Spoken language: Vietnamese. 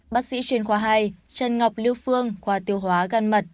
bác sĩ chuyên khoa hai trần ngọc lưu phương khoa tiêu hóa gan mật